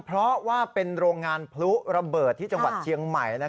เพราะว่าเป็นโรงงานพลุระเบิดที่จังหวัดเชียงใหม่